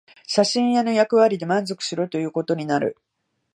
写真屋の役割で満足しろということになる